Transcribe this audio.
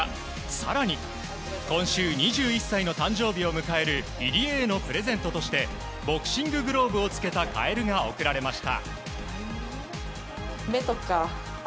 更に今週２１歳の誕生日を迎える入江へのプレゼントとしてボクシンググローブを付けたカエルが贈られました。